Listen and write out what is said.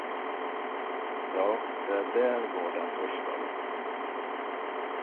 Ja, det där var den första lotten.